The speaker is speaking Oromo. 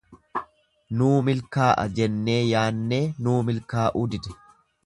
Nuu milkaa'a jennee yaannee nuu milkaa'uu dide.